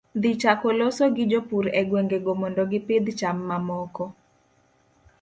Dhi chako loso gi jopur egwengego mondo gipidh cham mamoko